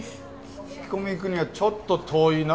聞き込み行くにはちょっと遠いな。